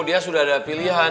dia sudah ada pilihan